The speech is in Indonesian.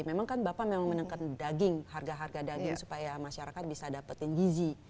memang kan bapak memang menekan daging harga harga daging supaya masyarakat bisa dapetin gizi